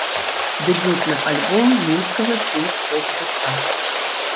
Дэбютны альбом мінскага сінт-поп гурта.